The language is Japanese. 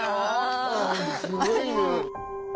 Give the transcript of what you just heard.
すごいな。